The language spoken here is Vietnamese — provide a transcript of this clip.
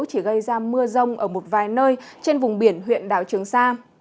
chỉ gây ra mưa rông ở một vài nơi trên vùng biển huyện đảo trường sa